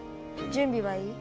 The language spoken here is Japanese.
準備はいい？